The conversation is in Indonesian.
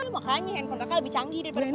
makanya handphone kakak lebih canggih daripada ibu